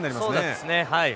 そうですねはい。